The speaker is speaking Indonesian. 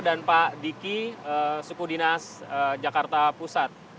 dan pak diki suku dinas jakarta pusat